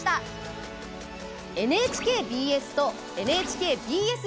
ＮＨＫＢＳとＮＨＫＢＳ